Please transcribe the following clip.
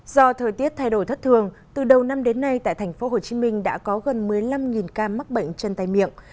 do thời tiết thay đổi thất thường từ đầu năm đến nay tại tp hcm đã có gần một mươi năm ca mắc bệnh chân tay miệng